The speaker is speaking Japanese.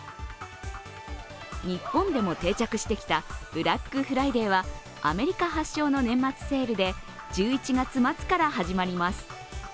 日本でも定着してきたブラックフライデーはアメリカ発祥の年末セールで１１月末から始まります。